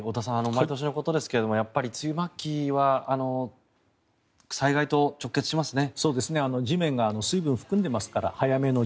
毎年のことですがやっぱり梅雨末期は災害と直結しますね。